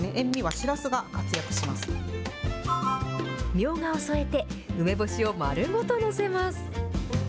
みょうがを添えて、梅干しを丸ごと載せます。